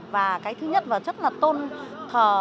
và cái thứ nhất là rất là tôn thờ